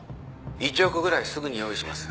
１億ぐらいすぐに用意します。